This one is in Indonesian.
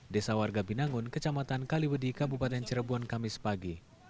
desa warga binangun kecamatan kaliwedi kabupaten cirebon kamis pagi